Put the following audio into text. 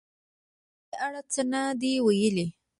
په دې اړه څه نه دې ویلي